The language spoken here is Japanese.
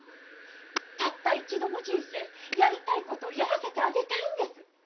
たった一度の人生やりたいことやらせてあげたいんです！